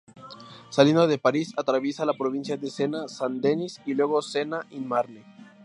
Saliendo de París atraviesa la provincia de Sena-San Denis y luego Sena y Marne.